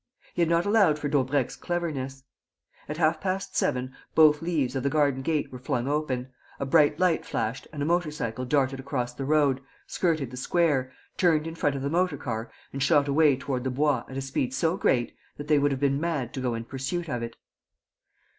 He had not allowed for Daubrecq's cleverness. At half past seven both leaves of the garden gate were flung open, a bright light flashed and a motor cycle darted across the road, skirted the square, turned in front of the motor car and shot away toward the Bois at a speed so great that they would have been mad to go in pursuit of it.